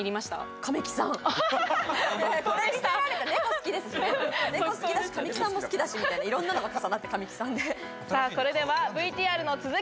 神木さんも好きだし、いろんなのが重なって、神木さんで。